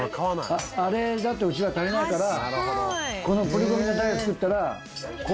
あれだとうちは足りないからこのプルコギのタレで作ったら。